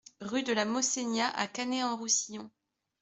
Rue de la Mossenya à Canet-en-Roussillon